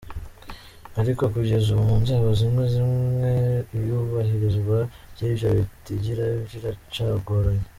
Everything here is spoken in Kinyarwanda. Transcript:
Ariko kugeza ubu mu nzego zimwe zimwe iyubahirizwa ry'ivyo bitigiri riracagoranye.